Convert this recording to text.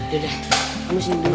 dada kamu sini dulu